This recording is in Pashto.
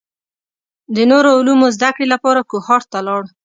د نورو علومو زده کړې لپاره کوهاټ ته لاړ.